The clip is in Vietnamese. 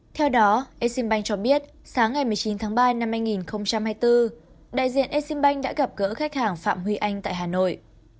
theo đó exim bank cho biết sáng ngày một mươi chín tháng ba năm hai nghìn hai mươi bốn đại diện exim bank đã gặp gỡ khách hàng phạm huy anh tại hà nội